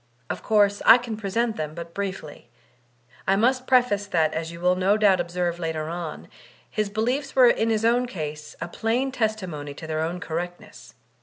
Of course, I can present them but briefly. I must preface that, as you will no doubt ob serve later on, his beliefs were in his own case a plain testimony to their own correctness.